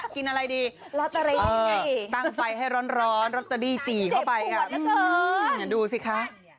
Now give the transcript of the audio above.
กินอะไรดีเออตั้งไฟให้ร้อนเราจะดีจีนเข้าไปค่ะอืมดูสิค่ะ